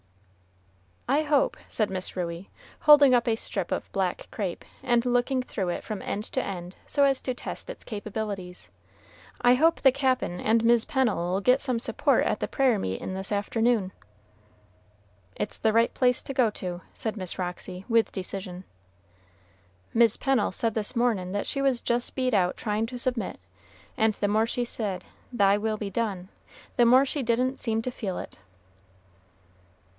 "I hope," said Miss Ruey, holding up a strip of black crape, and looking through it from end to end so as to test its capabilities, "I hope the Cap'n and Mis' Pennel'll get some support at the prayer meetin' this afternoon." "It's the right place to go to," said Miss Roxy, with decision. "Mis' Pennel said this mornin' that she was just beat out tryin' to submit; and the more she said, 'Thy will be done,' the more she didn't seem to feel it."